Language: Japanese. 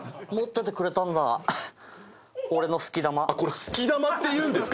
好き玉っていうんですか。